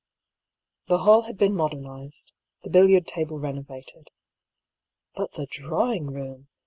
The hall had been modernised, the billiard table renovated. But the drawing room!